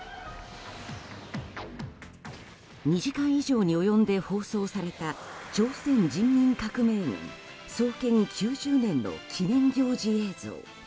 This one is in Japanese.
２時間以上に及んで放送された朝鮮人民革命軍創建９０年の記念行事映像。